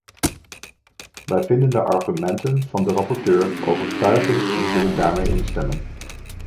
Wij vinden de argumenten van de rapporteur overtuigend en zullen daarmee instemmen.